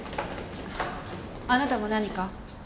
あなたも何か？